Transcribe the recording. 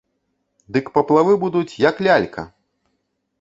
Дык паплавы будуць, як лялька!